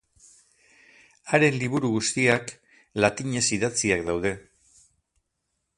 Haren liburu guztiak latinez idatziak daude.